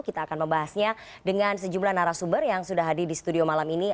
kita akan membahasnya dengan sejumlah narasumber yang sudah hadir di studio malam ini